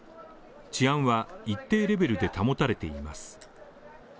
治安は一定レベルで保たれています。